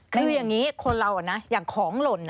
คืออย่างนี้คนเรานะอย่างของหล่น